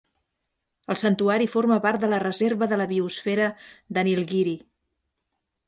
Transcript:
El santuari forma part de la reserva de la biosfera de Nilgiri.